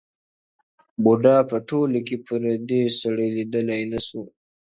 بوډا په ټولو کي پردی سړی لیدلای نه سو٫